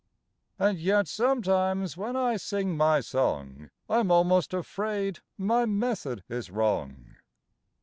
(And yet, sometimes, when I sing my song, I'm almost afraid my method is wrong.)